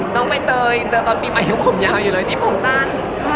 น้องไม่เตยเจอตอนปีใหม่ละหยกผมยาวอยู่เลยที่ผงซาน